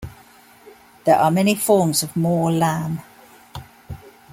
There are many forms of "mor lam".